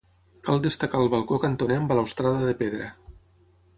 Cal destacar el balcó cantoner amb balustrada de pedra.